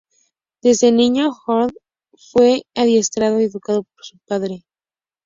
Desde niño, Haytham fue adiestrado y educado por su padre.